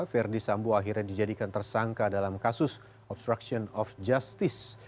verdi sambo akhirnya dijadikan tersangka dalam kasus obstruction of justice